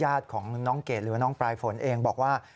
ญาติของน้องเกดหรือว่าน้องปลายฝนเองบอกว่า